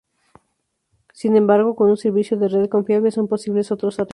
Sin embargo, con un servicio de red confiable son posibles otros arreglos.